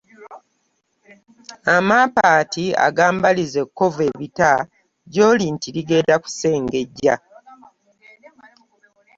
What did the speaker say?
Amampaati agambaliza ekkovu ebita ng’oti ligenda kusengejja.